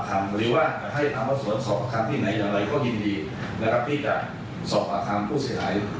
แล้วก็เพื่อนก็ได้โทรศัพท์ช่วงนั้นถ้าว่าโทรศัพท์อยู่กับผู้เสียหาย